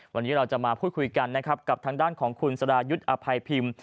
วันนี้เราจะมาพูดคุยกันนะครับกับทางด้านของคุณสรายุทธ์อภัยพิมพ์